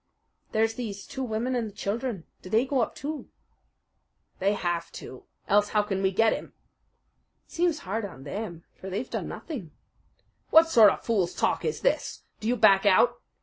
"There's these two women and the children. Do they go up too?" "They have to else how can we get him?" "It seems hard on them; for they've done nothing." "What sort of fool's talk is this? Do you back out?"